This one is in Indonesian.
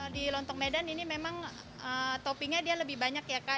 di lontong medan ini memang toppingnya dia lebih banyak ya kak